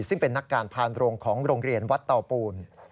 ซึ่งเป็นนักการพานโรงของโรงเรียนวัดเตาปูน